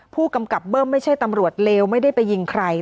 ผู้กำกับเบิ้มไม่ใช่ตำรวจเลวไม่ได้ไปยิงใคร